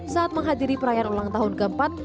saat menghadiri perayaan ulang tahun keempat